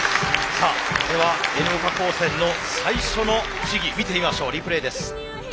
さあではＮ岡高専の最初の試技見てましょうリプレーです。